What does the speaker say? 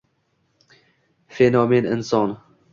Fenomen-inson